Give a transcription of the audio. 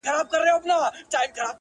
• په نقشو د شیطانت کي بریالی سو -